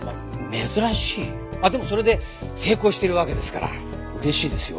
あっでもそれで成功してるわけですから嬉しいですよ